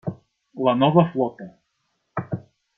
La nova flota.